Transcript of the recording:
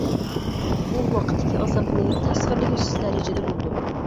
ئۇ ۋاقىتتىكى ئازابنى تەسۋىرلىگۈسىز دەرىجىدە بولىدۇ.